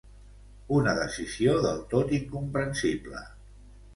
Una decisió del tot incomprensible.